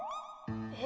え？